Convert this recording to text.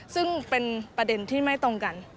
ซึ่งเป็นประเด็นที่ไม่ตรงกัน